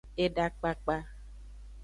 Eda kpakpa.